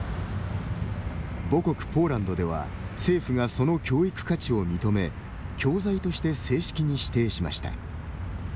母国ポーランドでは、政府がその教育価値を認め教材として正式に指定しました。